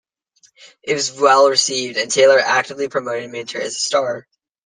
It was well received, and Taylor actively promoted Minter as a star.